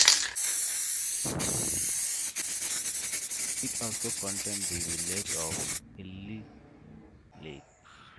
It also contains the village of Killyleagh.